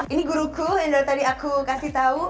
ini guruku yang tadi aku kasih tau